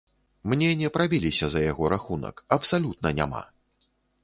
Мне не прабіліся за яго рахунак, абсалютна няма!